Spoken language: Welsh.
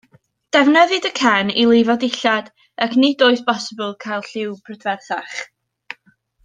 Defnyddid y cen i lifo dillad, ac nid oes bosibl cael lliw prydferthach.